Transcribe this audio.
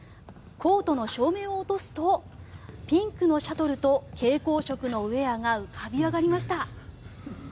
コートの照明を落とすとピンクのシャトルと蛍光色のウェアが浮かび上がりました。